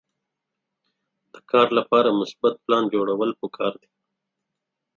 د کار لپاره مثبت پلان جوړول پکار دي.